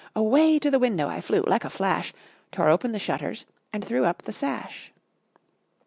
Away to the window I flew like a flash, Tore open the shutters and threw up the sash.